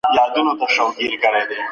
حقوق په ټولنه کي پلی کيږي.